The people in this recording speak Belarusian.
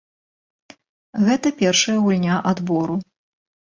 Гэта першая гульня адбору.